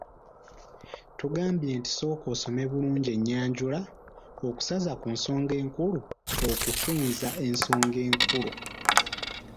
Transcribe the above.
Tugambye nti sooka osome bulungi ennyanjula, okusaza ku nsonga enkulu, okufunza ensonga enkulu.